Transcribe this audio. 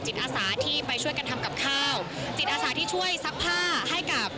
อาสาที่ไปช่วยกันทำกับข้าวจิตอาสาที่ช่วยซักผ้าให้กับ